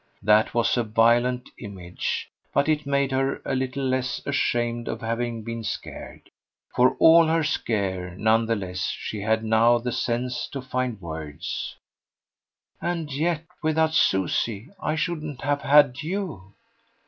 That was a violent image, but it made her a little less ashamed of having been scared. For all her scare, none the less, she had now the sense to find words. "And yet without Susie I shouldn't have had YOU."